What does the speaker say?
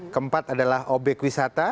keempat adalah objek wisata